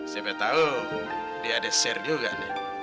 siapa tahu dia ada share juga nih